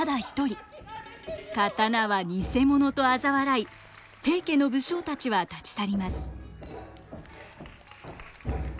刀は偽物とあざ笑い平家の武将たちは立ち去ります。